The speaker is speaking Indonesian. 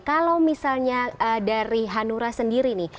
kalau misalnya dari hanura sendiri nih